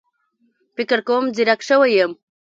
فکر کوم ځيرک شوی يم